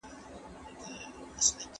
تېر وخت د نن ورځي درس دی.